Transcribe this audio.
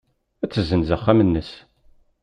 Ad tessenz axxam-nnes.